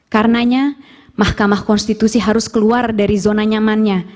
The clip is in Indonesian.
karenanya mahkamah konstitusi harus keluar dari zona nyamannya